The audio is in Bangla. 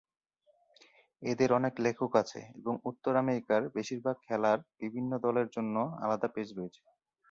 এদের অনেক লেখক আছে এবং উত্তর আমেরিকার বেশিরভাগ খেলার বিভিন্ন দলের জন্য আলাদা পেজ রয়েছে।